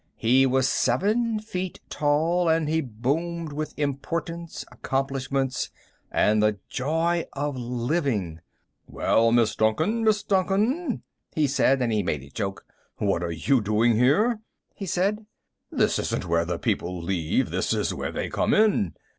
He was seven feet tall, and he boomed with importance, accomplishments, and the joy of living. "Well, Miss Duncan! Miss Duncan!" he said, and he made a joke. "What are you doing here?" he said. "This isn't where the people leave. This is where they come in!"